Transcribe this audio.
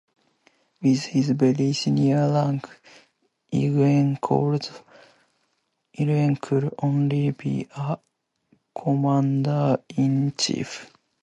With his very senior rank, Eugen could only be a commander in chief.